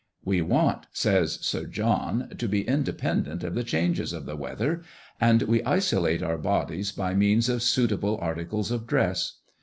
"We want," says Sir John, "to be independent of the changes of the weather; and we isolate our bodies by means of suitable articles of dress.